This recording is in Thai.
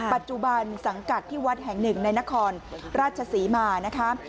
ปัจจุบันสังกัดที่วัดแห่งหนึ่งในนครราชศรีมานะคะ